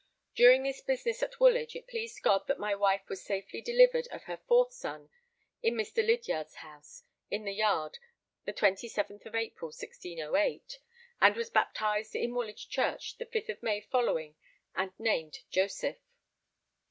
During this business at Woolwich it pleased God that my wife was safely delivered of her fourth son in Mr. Lydiard's house in the yard the 27th April 1608, and was baptized in Woolwich Church the 5th of May following, and named Joseph.